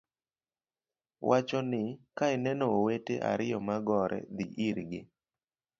Wacho ni, "ka ineno owete ariyo ma gore, dhi irgi,